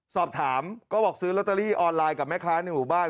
สอบถามก็บอกซื้อลอตเตอรี่ออนไลน์กับแม่ค้าในหมู่บ้าน